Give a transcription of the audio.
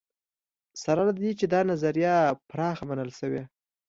سره له دې چې دا نظریه پراخه منل شوې.